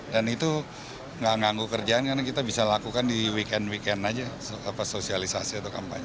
dan itu nggak nganggu kerjaan karena kita bisa lakukan di weekend weekend aja sosialisasi atau kampanye